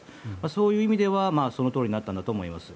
そういう意味ではそのとおりになったと思います。